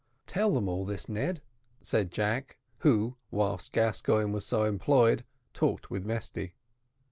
"Tell them all this, Ned," said Jack, who, whilst Gascoigne was so employed, talked with Mesty.